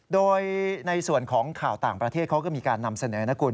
โดยในส่วนของข่าวต่างประเทศเขาก็มีการนำเสนอนะคุณ